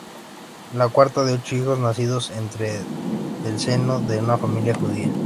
La cuarta de ocho hijos, nacidos dentro del seno de una familia judía.